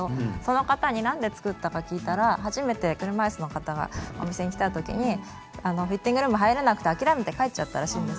なぜ作ったのか聞いたら初めて車いすの方が来たときにフィッティングルームに入れなくて諦めて帰っちゃったそうなんです。